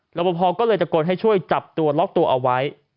ครับเราก็เลยจะกดให้ช่วยจับตัวล็อคตัวเอาไว้